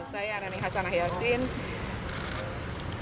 saya neneng hasanah yasin